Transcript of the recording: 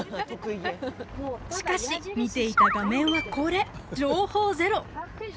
しかし見ていた画面はこれ情報ゼロ